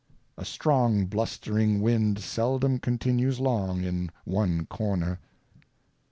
A strong blustring Wind seldom continues long in one Corner.